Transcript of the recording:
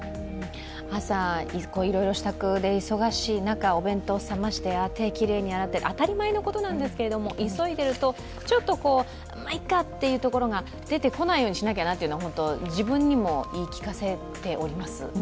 朝、いろいろ支度で忙しい中お弁当を冷まして手をきれいに洗って、当たり前のことなんですけど、急いでいるとちょっと、ま、いっかというところが出てこないようにしなきゃなと、自分にも言い聞かせております。